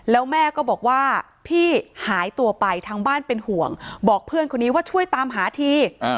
แล้วแม่ก็บอกว่าพี่หายตัวไปทางบ้านเป็นห่วงบอกเพื่อนคนนี้ว่าช่วยตามหาที